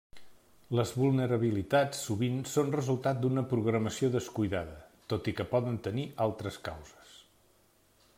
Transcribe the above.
Les vulnerabilitats sovint són resultat d'una programació descuidada, tot i que poden tenir altres causes.